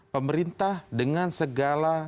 pemerintah dengan segala